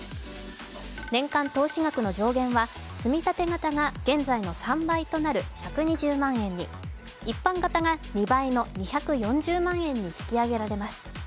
年間投資額の上限は、つみたて型が現在の３倍となる１２０万円に一般型が２倍の２４０万円に引き上げられます。